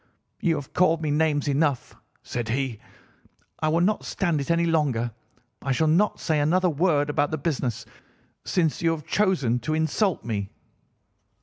"'You have called me names enough,' said he, 'I will not stand it any longer. I shall not say another word about this business, since you have chosen to insult me.